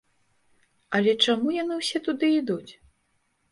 Але чаму яны ўсе туды ідуць?